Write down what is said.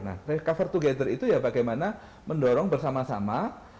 nah recover together itu ya bagaimana mendorong bersama sama